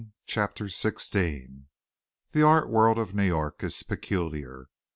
CHAPTER XVI The art world of New York is peculiar.